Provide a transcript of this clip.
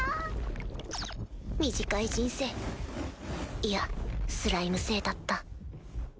短い人生いやスライム生だった